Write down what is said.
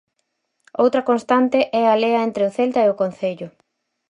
Outra constante é a lea entre o Celta e o Concello.